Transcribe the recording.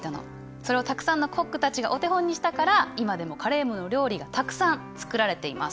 それをたくさんのコックたちがお手本にしたから今でもカレームの料理がたくさん作られています。